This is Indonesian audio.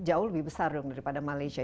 jauh lebih besar dong daripada malaysia